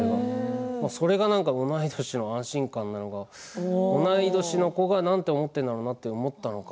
それが同い年の安心感なのか同い年の子が何と思っているのかと思ったのか